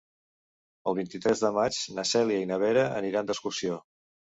El vint-i-tres de maig na Cèlia i na Vera aniran d'excursió.